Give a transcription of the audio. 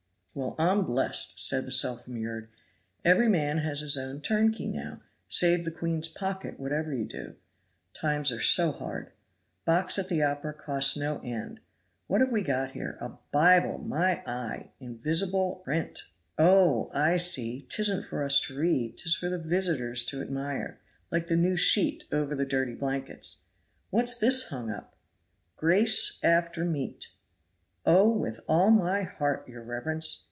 "Well I'm blest," said the self immured, "every man his own turnkey now; save the queen's pocket, whatever you do. Times are so hard. Box at the opera costs no end. What have we got here? A Bible! my eye! invisible print! Oh! I see; 'tisn't for us to read, 'tis for the visitors to admire like the new sheet over the dirty blankets! What's this hung up? "GRACE AFTER MEAT. "Oh! with all my heart, your reverence!